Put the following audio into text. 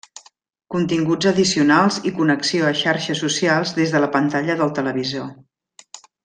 Continguts addicionals i connexió a xarxes socials des de la pantalla del televisor.